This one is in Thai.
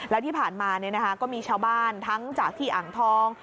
แล้วที่ผ่านมาก็มีชาวบ้านทั้งจากที่อ่างทอง